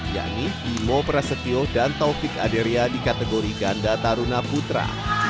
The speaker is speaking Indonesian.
yakni bimo prasetyo dan taufik aderia di kategori ganda taruna putra